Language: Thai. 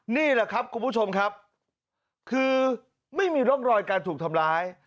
นี่แหละครับคุณผู้ชมครับคือไม่มีร่องรอยการถูกทำร้าย